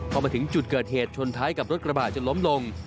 พอมาถึงจุดเกิดเหตุชนท้ายกับรถกระบะจนล้มลง